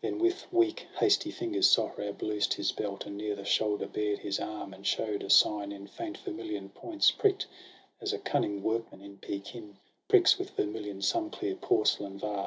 Then, with weak hasty fingers, Sohrab loosed His belt, and near the shoulder bared his arm, And show'd a sign in faint vermilion points Prick'd; as a cunning workman, in Pekin, Pricks with vermilion some clear porcelain vase.